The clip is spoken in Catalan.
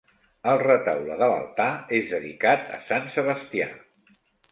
El retaule de l'altar és dedicat a sant Sebastià.